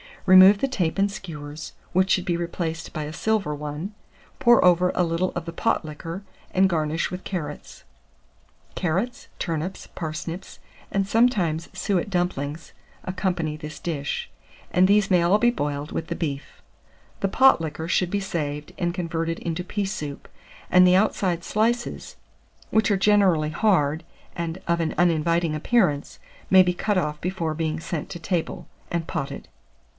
Remove the tape and skewers, which should be replaced by a silver one; pour over a little of the pot liquor, and garnish with carrots. (See coloured plate 2.) Carrots, turnips, parsnips, and sometimes suet dumplings, accompany this dish; and these may all be boiled with the beef. The pot liquor should be saved, and converted into pea soup; and the outside slices, which are generally hard, and of an uninviting appearance, may be out off before being sent to table, and potted.